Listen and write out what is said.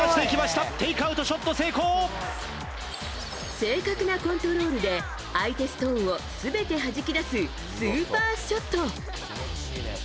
正確なコントロールで相手ストーンを全てはじき出すスーパーショット。